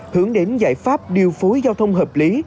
hướng đến giải pháp điều phối giao thông hợp lý